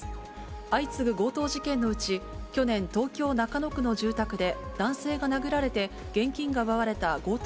相次ぐ強盗事件のうち、去年、東京・中野区の住宅で男性が殴られて現金が奪われた強盗